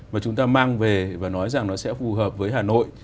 mà chúng ta mang về và nói rằng nó sẽ phù hợp với hà nội